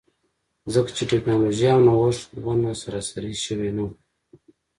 ځکه چې ټکنالوژي او نوښت ونه سراسري شوي نه وو.